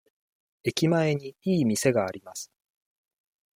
駅前にいい店があります。